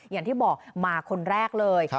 อย่างที่บอกมาคนแรกเลย